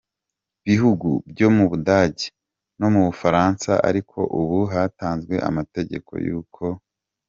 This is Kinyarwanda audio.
bihugu byo mu Budage no mu Bufaransa ariko ubu hatanzwe amategeko yuko.